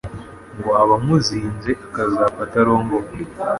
ngo aba amuzinze akazapfa atarongowe